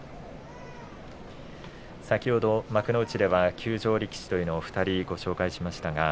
先ほど幕内での休場力士というのを２人ご紹介しました。